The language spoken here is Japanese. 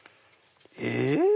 え⁉